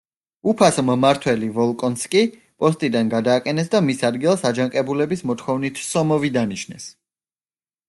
უფას მმართველი ვოლკონსკი პოსტიდან გადააყენეს და მის ადგილას აჯანყებულების მოთხოვნით სომოვი დანიშნეს.